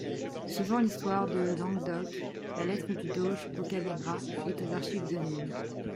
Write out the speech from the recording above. Suivant l'histoire de Languedoc, la lettre du doge Boccanegra est aux archives de Nîmes.